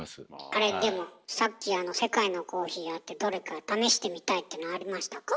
あれでもさっきあの世界のコーヒーあってどれか試してみたいっていうのありましたか？